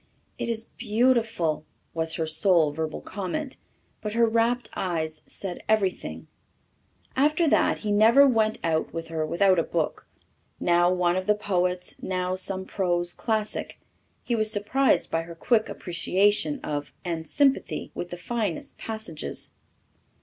"It is beautiful," was her sole verbal comment, but her rapt eyes said everything. After that he never went out with her without a book now one of the poets, now some prose classic. He was surprised by her quick appreciation of and sympathy with the finest passages.